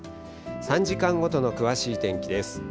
３時間ごとの詳しい天気です。